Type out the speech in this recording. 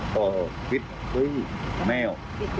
ต่อปิดคุยแมว